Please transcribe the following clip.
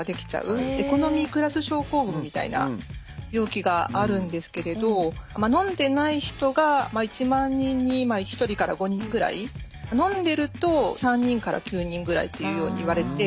エコノミークラス症候群みたいな病気があるんですけれどのんでない人が１万人に１人から５人くらいのんでると３人から９人ぐらいっていうようにいわれて。